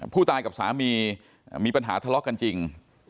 ผู้ตายกับสามีมีปัญหาทะเลาะกันจริง